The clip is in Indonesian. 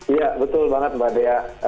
iya betul banget mbak dea